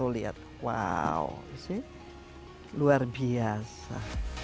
lihat wow luar biasa